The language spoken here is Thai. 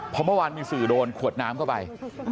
เพราะเมื่อวานมีสื่อโดนขวดน้ำเข้าไป